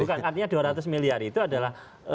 bukan artinya dua ratus miliar itu adalah